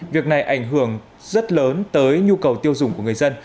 việc này ảnh hưởng rất lớn tới nhu cầu tiêu dùng của người dân